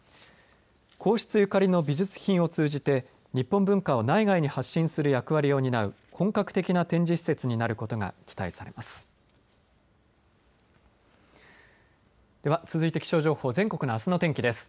皇室ゆかりの美術品を通じて日本文化を内外に発信する役割を担う本格的な展示施設になることが期待されます。